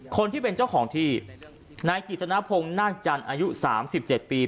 คนที่เป็นเจ้าของที่ในกิจนพงศ์น่าจันทร์อายุสามสิบเจ็ดปี